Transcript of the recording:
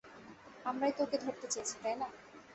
আমরাই তো ওকে ধরতে চেয়েছি, তাই না?